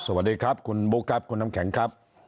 สวัสดีครับคุณบุ๊คครับคุณน้ำแข็งครับ